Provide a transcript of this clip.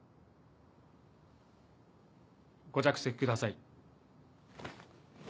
ご着席ください。